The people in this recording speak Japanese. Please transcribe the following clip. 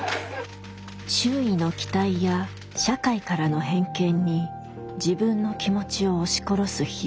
周囲の期待や社会からの偏見に自分の気持ちを押し殺す日々。